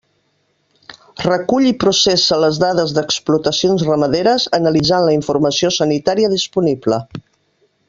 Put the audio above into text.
Recull i processa les dades d'explotacions ramaderes, analitzant la informació sanitària disponible.